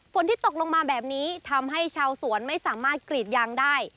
ที่ตกลงมาแบบนี้ทำให้ชาวสวนไม่สามารถกรีดยางได้